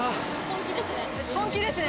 本気ですね